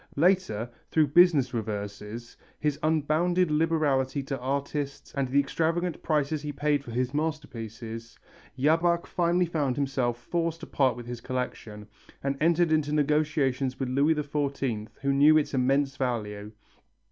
Later, through business reverses, his unbounded liberality to artists and the extravagant prices he paid for his masterpieces, Jabach finally found himself forced to part with his collection, and entered into negotiations with Louis XIV who knew its immense value.